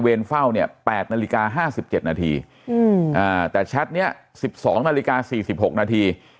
เฝ้าเนี่ย๘นาฬิกา๕๗นาทีแต่แชทนี้๑๒นาฬิกา๔๖นาที